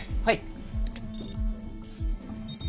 はい。